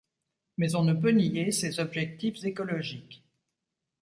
Mais on ne peut nier ses objectifs écologiques.